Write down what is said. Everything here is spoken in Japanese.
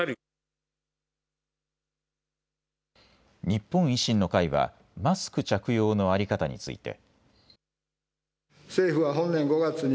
日本維新の会はマスク着用の在り方について。